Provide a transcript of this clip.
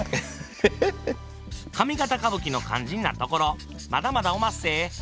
上方歌舞伎の肝心なところまだまだおまっせ。